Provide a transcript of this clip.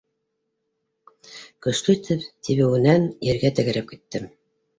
— Көслө итеп тибеүенән ергә тәгәрәп киттем.